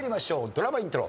ドラマイントロ。